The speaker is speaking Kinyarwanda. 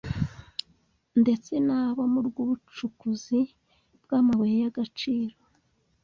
ndetse n’abo mu rw’ubucukuzi bw’amabuye y’agaciro